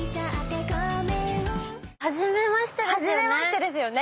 初めましてですよね。